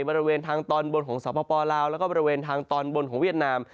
บริเวณทางตอนบนของสปลาวแล้วก็บริเวณทางตอนบนของเวียดนาม